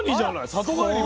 里帰りも？